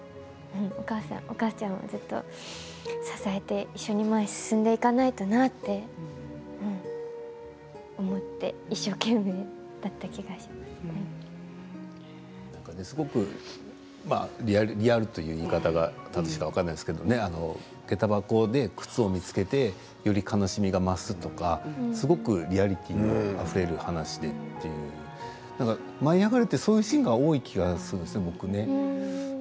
お母ちゃんをずっと支えて一緒に前に進んでいかないとなって思ってすごくリアルという言い方が正しいか分からないんですけどげた箱で靴を見つけてより悲しみが増すとかすごくリアリティーのあふれる話で「舞いあがれ！」ってそういうシーンが多い気がするんですね、僕ね。